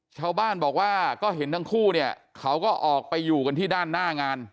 ชาวบ้านบอกว่าก็เห็นทั้งคู่เนี่ยเขาก็ออกไปอยู่กันที่ด้านหน้างาน